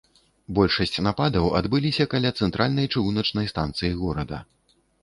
Большасць нападаў адбыліся каля цэнтральнай чыгуначнай станцыі горада.